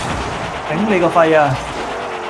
頂你個肺呀！